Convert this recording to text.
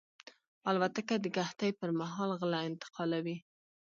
الوتکه د قحطۍ پر مهال غله انتقالوي.